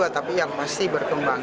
tapi yang masih berkembang